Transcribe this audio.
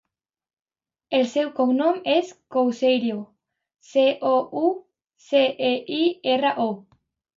El seu cognom és Couceiro: ce, o, u, ce, e, i, erra, o.